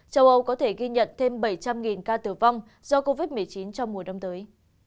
châu âu có thể ghi nhận thêm bảy trăm linh ca tử vong do covid một mươi chín trong mùa đông tới